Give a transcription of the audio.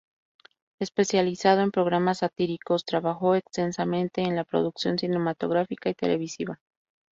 Especializado en programas satíricos, trabajó extensamente en la producción cinematográfica y televisiva.